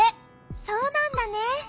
そうなんだね。